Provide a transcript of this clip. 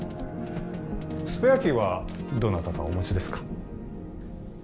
スペアキーはどなたかお持ちですか？